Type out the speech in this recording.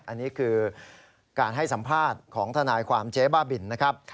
อันนี้คือการให้สัมภาษณ์ของทนายความเจ๊บ้าบินนะครับ